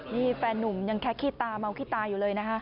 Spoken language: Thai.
นี่แฟนนุ่มยังแค่ขี้ตาเมาขี้ตาอยู่เลยนะคะ